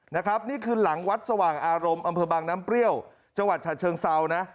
นี่คือหลังวัดสว่างอารมณ์อำเภอบางน้ำเปรี้ยวจังหวัดฉะเชิงเซานะ